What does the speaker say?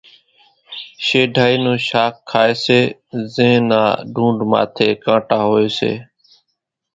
شيڍائِي نون شاک کائيَ سي زين نا ڍونڍ ماٿيَ ڪانٽا هوئيَ سي۔